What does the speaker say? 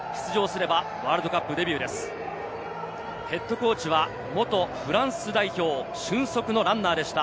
ＨＣは元フランス代表、俊足のランナーでした。